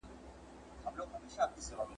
نن د ښار وګړي د مُلا د منتر نذر دي `